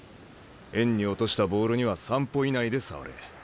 円に落としたボールには３歩以内で触れ。